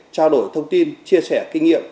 trao đổi thông tin chia sẻ kinh nghiệm